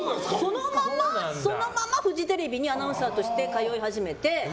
そのままフジテレビにアナウンサーとして通い始めて。